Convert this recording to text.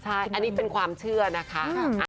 ใช่อันนี้เป็นความเชื่อนะคะ